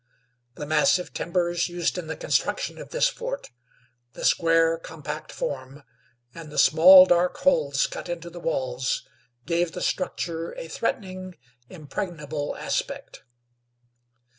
The massive timbers used in the construction of this fort, the square, compact form, and the small, dark holes cut into the walls, gave the structure a threatening, impregnable aspect.